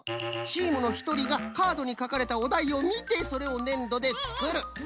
チームのひとりがカードにかかれたおだいをみてそれをねんどでつくる。